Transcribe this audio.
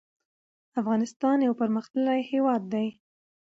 افغانستان يو پرمختللی هيواد ده